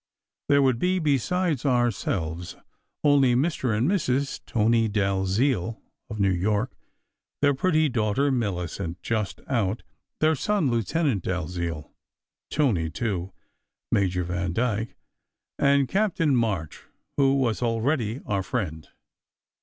There would be, besides ourselves, only Mr. and Mrs. Tony Dalziel of New York; their pretty daughter, Millicent, just out; their son, Lieutenant Dalziel "Tony," too; Major Vandyke; and Captain March, who was already our friend.